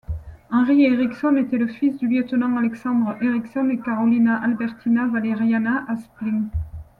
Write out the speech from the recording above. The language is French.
Henry Ericsson était le fils du lieutenant Alexander Ericsson et Carolina Albertina Valeriana Aspling.